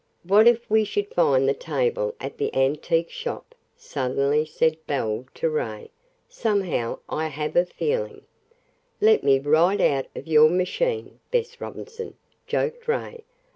"What if we should find the table at the antique shop!" suddenly said Belle to Ray. "Somehow I have a feeling " "Let me right out of your machine, Bess Robinson," joked Ray.